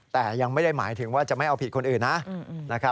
แต่ยังไม่ได้หมายถึงว่าจะไม่เอาผิดคนอื่นนะ